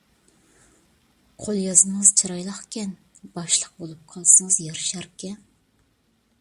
قول يازمىڭىز چىرايلىقكەن، باشلىق بولۇپ قالسىڭىز يارىشاركەن.